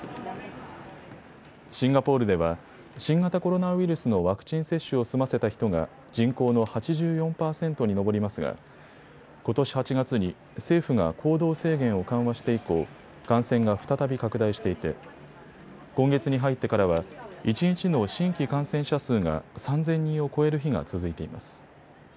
シンガポールでは新型コロナウイルスのワクチン接種を済ませた人が人口の８４％に上りますがことし８月に政府が行動制限を緩和して以降、感染が再び拡大していて今月に入ってからは一日の新規感染者数が３０００人を超える日が続いています。